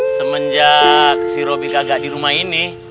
semenjak si roby kagak di rumah ini